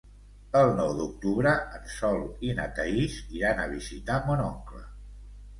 El nou d'octubre en Sol i na Thaís iran a visitar mon oncle.